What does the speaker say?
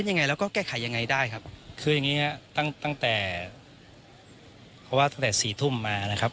ยังไงได้ครับคือยังงี้ฮะตั้งตั้งแต่เพราะว่าตั้งแต่สี่ทุ่มมานะครับ